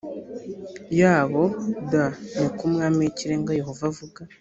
yabo d ni ko umwami w ikirenga yehova avuga